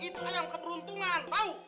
itu ayam keberuntungan tau